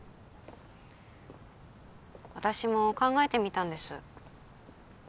私も考えてみたんです